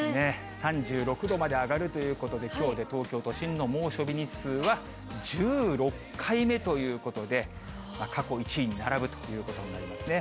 ３６度まで上がるということで、きょうで東京都心の猛暑日日数は１６回目ということで、過去１位に並ぶということになりますね。